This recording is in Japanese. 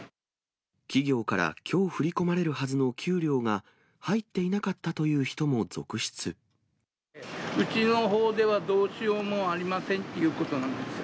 企業から、きょう振り込まれるはずの給料が、うちのほうでは、どうしようもありませんっていうことなんですよ。